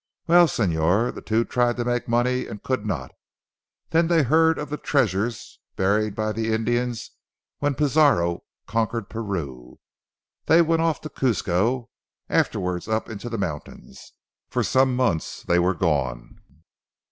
"Well Señor, the two tried to make money and could not. Then they heard of the treasures buried by the Indians when Pizarro conquered Peru. They went off to Cuzco; afterwards up into the mountains. For some months they were gone.